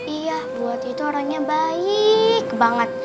iya ibu wati tuh orangnya baik banget